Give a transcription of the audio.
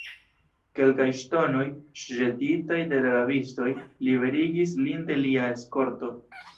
Kelkaj ŝtonoj, ĵetitaj de la rabistoj, liberigis lin de lia eskorto.